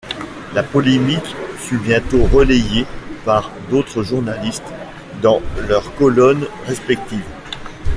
La polémique fut bientôt relayée par d'autres journalistes dans leurs colonnes respectives.